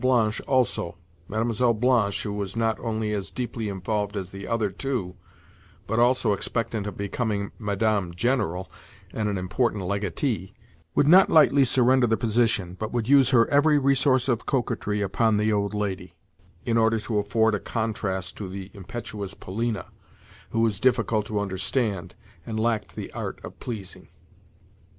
Blanche also—Mlle. Blanche who was not only as deeply involved as the other two, but also expectant of becoming Madame General and an important legatee—would not lightly surrender the position, but would use her every resource of coquetry upon the old lady, in order to afford a contrast to the impetuous Polina, who was difficult to understand, and lacked the art of pleasing.